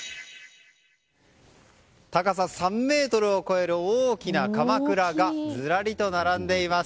高さ３ｍを超える大きなかまくらがずらりと並んでいます。